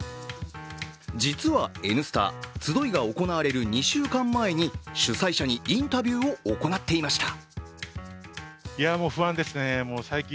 実は「Ｎスタ」集いが行われる２週間前に主催者にインタビューを行っていました。